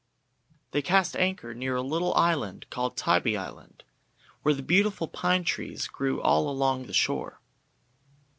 They cast anchor near a little island called Tybee Island, where beautiful pine trees grew all along the shore.